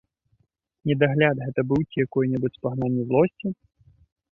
Недагляд гэта быў ці якое-небудзь спагнанне злосці?